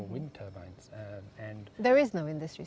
tidak ada standar industri